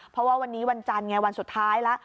เพราะว่าวันนี้วันจันทร์ไงวันสุดท้ายแล้ว